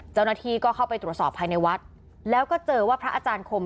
เจ้าหน้าที่ก็เข้าไปตรวจสอบภายในวัดแล้วก็เจอว่าพระอาจารย์คม